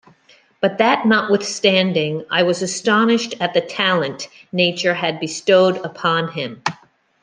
But that notwithstanding, I was astonished at the talent Nature had bestowed upon him.